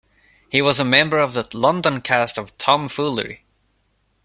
He was a member of the London cast of "Tom Foolery".